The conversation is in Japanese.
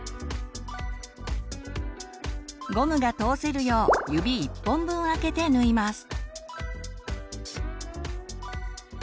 ゴムが通せるよう指１本分空けて縫います。